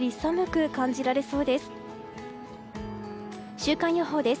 週間予報です。